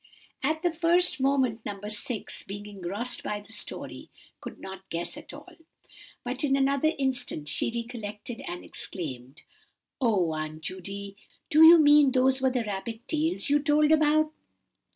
At the first moment No. 6, being engrossed by the story, could not guess at all; but in another instant she recollected, and exclaimed:— "Oh, Aunt Judy, do you mean those were the rabbits' tails you told about?"